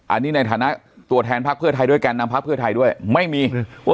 อันนี้ในฐานะตัวแทนพักเพื่อไทยด้วยแก่นนำพักเพื่อไทยด้วยไม่มี